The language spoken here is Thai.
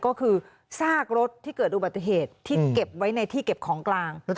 ก็คือซากรถที่เกิดอุบัติเหตุที่เก็บไว้ในที่เก็บของกลาง